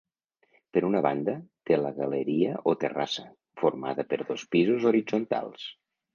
Per una banda té la galeria o terrassa, formada per dos pisos horitzontals.